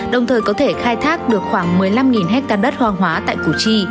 đồng thời có thể khai thác được khoảng một mươi năm hectare đất hoang hóa tại củ chi